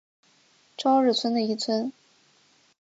朝日村的一村。